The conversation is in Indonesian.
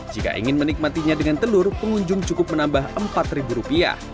jika ingin menikmatinya dengan telur pengunjung cukup menambah rp empat